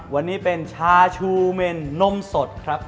วันนี้เป็นชาชูเมนนมสดครับ